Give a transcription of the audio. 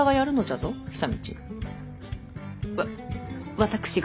わ私が！？